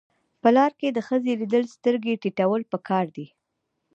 په لار کې د ښځې لیدل سترګې ټیټول پکار دي.